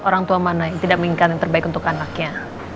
orang tua mana yang tidak menginginkan yang terbaik untuk anaknya